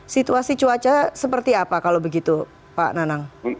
situasi cuaca seperti apa kalau begitu pak nanang